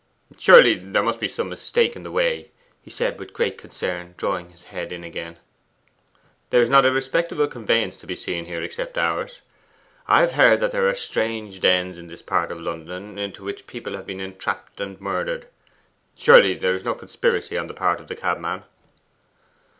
'Surely there must be some mistake in the way,' he said with great concern, drawing in his head again. 'There's not a respectable conveyance to be seen here except ours. I've heard that there are strange dens in this part of London, into which people have been entrapped and murdered surely there is no conspiracy on the part of the cabman?